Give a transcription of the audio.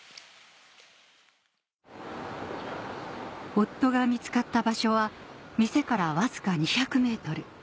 夫が見つかった場所は店からわずか２００ｍ